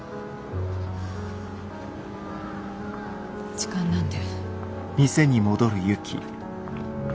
時間なんで。